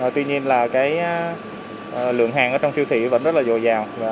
tuy nhiên là cái lượng hàng ở trong siêu thị vẫn rất là dồi dào